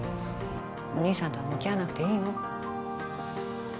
お兄さんとは向き合わなくていいの？